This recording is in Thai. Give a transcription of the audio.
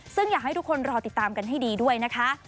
ซึ่งอยากให้ทุกคนรอติดตามกันให้ดีด้วยนะคะ